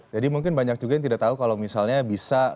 jadi mungkin banyak juga yang tidak tahu kalau misalnya bisa